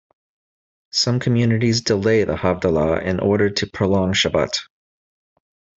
Some communities delay the Havdalah in order to prolong Shabbat.